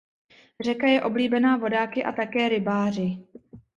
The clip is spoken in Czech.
Řeka je oblíbená vodáky a také rybáři.